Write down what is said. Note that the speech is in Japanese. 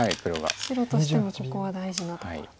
白としてもここは大事なところと。